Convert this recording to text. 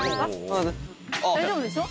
大丈夫でしょ？